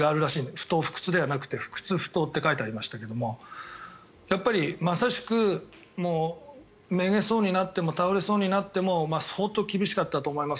不撓不屈ではなくて不屈不撓って書いてありましたがやっぱりまさしくめげそうになっても倒れそうになっても相当厳しかったと思います。